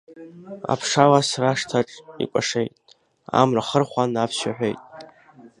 Аԥшалас рашҭаҿ икәашеит, Амра хырхәан аԥсшәа аҳәеит.